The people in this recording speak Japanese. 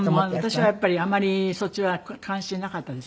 私はやっぱりあまりそっちは関心なかったですね。